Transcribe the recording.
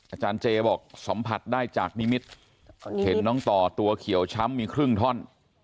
อาจารย์เจบอกสัมผัสได้จากนิมิตรเห็นน้องต่อตัวเขียวช้ำมีครึ่งท่อน